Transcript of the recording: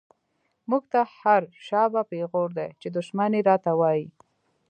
مونږ ته هر “شابه” پیغور دۍ، چی دشمن یی راته وایی